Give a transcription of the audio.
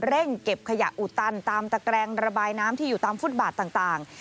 เร่งเก็บขยะอุตันตามตะแกรงระบายน้ำที่อยู่ตามฟุตบาทต่าง